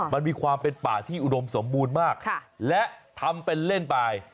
มันมีความเป็นป่าที่อุดมสมบูรณ์มากและทำเป็นเล่นไป